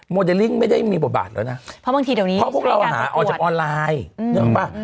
โมเดลลิ้งไม่ได้มีประบาทแล้วนะเพราะบางทีเดี๋ยวนี้พวกเราหาออกจากออนไลน์อืมนึกมั้ย